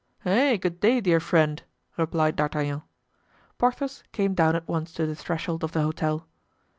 "Eh! good day, dear friend!" replied D'Artagnan. Porthos came down at once to the threshold of the hotel.